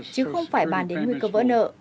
chứ không phải bàn đến nguy cơ vỡ nợ